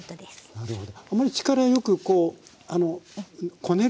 なるほど。